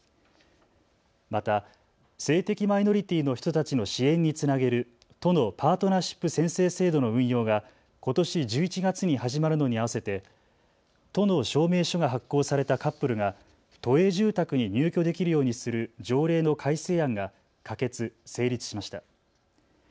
また、性的マイノリティーの人たちの支援につなげる都のパートナーシップ宣誓制度の運用がことし１１月に始まるのに合わせて都の証明書が発行されたカップルが都営住宅に入居できるようにする条例の改正案が可決・成立しました。